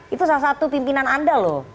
itu salah satu pimpinan anda loh